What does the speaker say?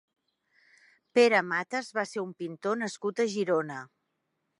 Pere Mates va ser un pintor nascut a Girona.